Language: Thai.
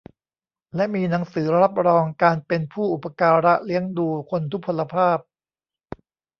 และมีหนังสือรับรองการเป็นผู้อุปการะเลี้ยงดูคนทุพพลภาพ